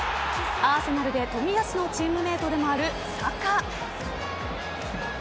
アーセナルで冨安のチームメートでもあるサカ。